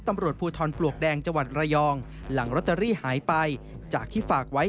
ตำรวจภูทรปลวกแดงจังหวัดระยองหลังลอตเตอรี่หายไปจากที่ฝากไว้